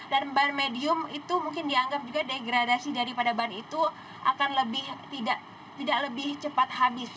ban medium itu mungkin dianggap juga degradasi daripada ban itu akan lebih cepat habis